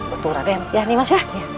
betul raden ya nih mas ya